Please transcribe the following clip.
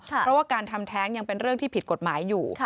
เพราะว่าการทำแท้งยังเป็นเรื่องที่ผิดกฎหมายอยู่